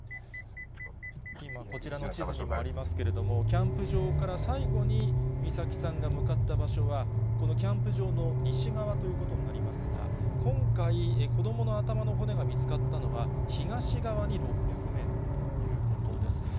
今、こちらの地図にもありますけれども、キャンプ場から最後に美咲さんが向かった場所は、このキャンプ場の西側ということになりますが、今回、子どもの頭の骨が見つかったのは、東側に６００メートルということです。